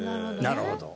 なるほど。